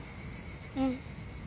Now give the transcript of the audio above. うん。